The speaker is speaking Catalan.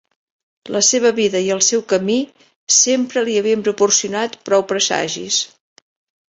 La seva vida i el seu camí sempre li havien proporcionat prou presagis.